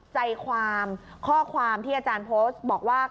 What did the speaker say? ใจความข้อความที่อาจารย์โพสต์บอกว่า